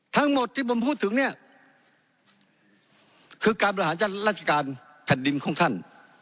ทั้งหมดที่ผมพูดถึงเนี่ยคือการบริหารจัดการราชการแผ่นดินของท่าน